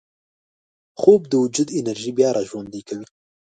خوب د وجود انرژي بیا راژوندي کوي